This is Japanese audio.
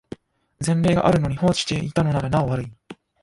前例があるのに放置していたのならなお悪い